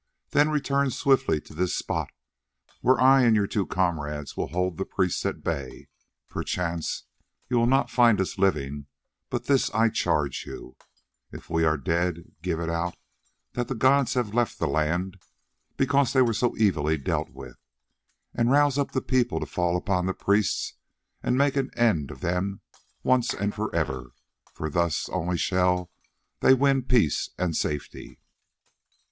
Then return swiftly to this spot where I and your two comrades will hold the priests at bay. Perchance you will not find us living, but this I charge you, if we are dead give it out that the gods have left the land because they were so evilly dealt with, and rouse up the people to fall upon the priests and make an end of them once and for ever, for thus only shall they win peace and safety."